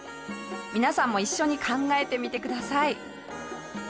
皆さんも一緒に考えてみてください。